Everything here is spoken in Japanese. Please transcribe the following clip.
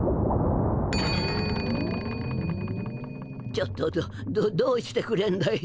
ちょっとどどうしてくれんだい。